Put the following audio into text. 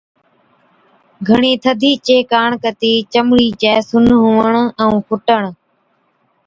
گھڻِي ٿڌِي چي ڪاڻ ڪتِي چمڙِي چَي سُن هُوَڻ ائُون ڦُٽڻ Frostbite and Chilblains